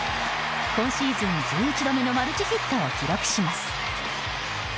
今シーズン１１度目のマルチヒットを記録します。